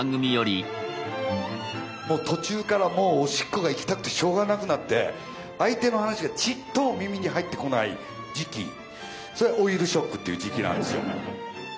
途中からもうおしっこが行きたくてしょうがなくなって相手の話がちっとも耳に入ってこない時期それが「老いるショック」っていう時期なんですよ。